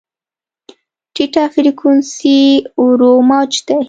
ټیټه فریکونسي ورو موج دی.